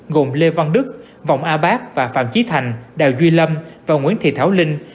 gồm lê văn đức vọng a bác và phạm chí thành đào duy lâm và nguyễn thị thảo linh